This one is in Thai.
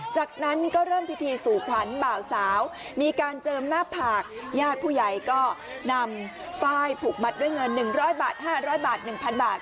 จากนั้นก็เริ่มพิธีสู่ขวัญบ่าวสาวมีการเจิมหน้าผากญาติผู้ใหญ่ก็นำฝ้ายผูกมัดด้วยเงิน๑๐๐บาท๕๐๐บาท๑๐๐บาท